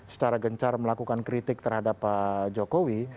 secara gencar melakukan kritik terhadap pak jokowi